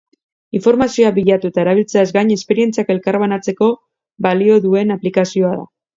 Informazioa bilatu eta erabiltzeaz gain esperientziak elkarbanatzeko balio duen aplikazioa da.